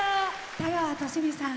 田川寿美さん